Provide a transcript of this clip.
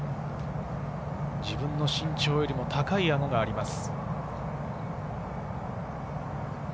自分の身長よりも高い山があります。